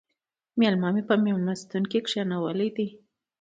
مېلما مې په مېلمستون کې کښېناولی دی